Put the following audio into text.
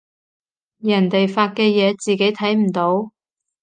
人哋發嘅嘢自己睇唔到